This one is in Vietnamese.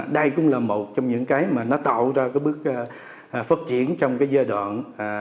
đây cũng là một trong những cái mà nó tạo ra cái bước phát triển trong cái giai đoạn